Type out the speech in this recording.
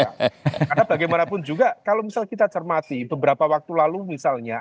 karena bagaimanapun juga kalau misalnya kita cermati beberapa waktu lalu misalnya